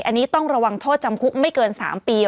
อันนี้ต้องระวังโทษจำคุกไม่เกิน๓ปี